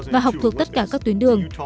và học thuộc tất cả các tuyến đường